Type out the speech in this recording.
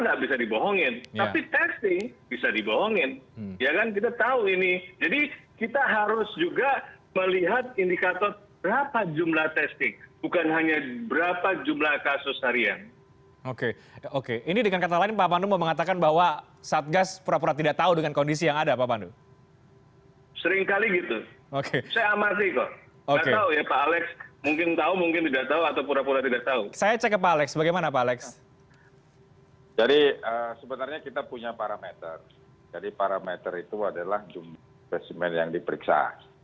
jadi parameter itu adalah jumlah spesimen yang diperiksa